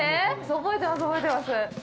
覚えてます、覚えてます。